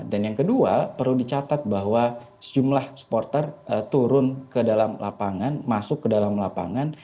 dan yang kedua perlu dicatat bahwa sejumlah supporter turun ke dalam lapangan masuk ke dalam lapangan